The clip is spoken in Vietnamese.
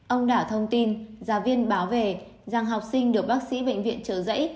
ông đảo thông tin giáo viên báo về rằng học sinh được bác sĩ bệnh viện trở dãy